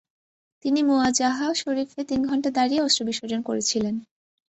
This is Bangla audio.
তিনি মুআজাহা শরীফে তিন ঘণ্টা দাড়িয়ে অশ্রু বিসর্জন করেছিলেন।